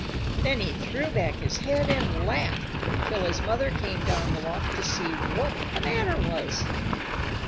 Then he threw back his head and laughed till his mother came down the walk to see what the matter was.